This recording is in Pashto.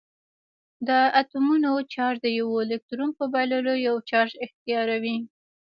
د اتومونو چارج د یوه الکترون په بایللو یو چارج اختیاروي.